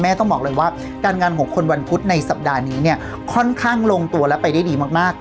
ต้องบอกเลยว่าการงานของคนวันพุธในสัปดาห์นี้เนี่ยค่อนข้างลงตัวและไปได้ดีมาก